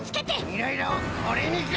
イライラをこれにか！